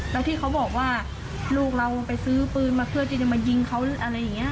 แล้วที่เขาบอกว่าลูกเราไปซื้อปืนมาเพื่อที่จะมายิงเขาอะไรอย่างนี้